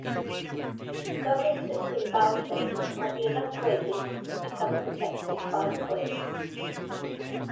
Some existing bike lanes are being upgraded to become protected bikeways.